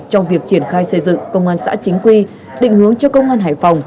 trong việc triển khai xây dựng công an xã chính quy định hướng cho công an hải phòng